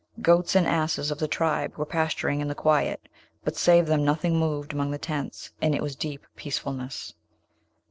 Goats and asses of the tribe were pasturing in the quiet, but save them nothing moved among the tents, and it was deep peacefulness.